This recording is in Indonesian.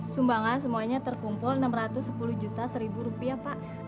sumbangan semuanya terkumpul enam ratus sepuluh juta seribu rupiah pak